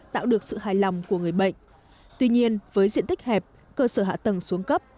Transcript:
tạo được sự hài lòng của người bệnh tuy nhiên với diện tích hẹp cơ sở hạ tầng xuống cấp